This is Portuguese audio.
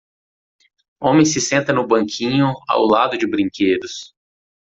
Homem se senta no banquinho ao lado de brinquedos.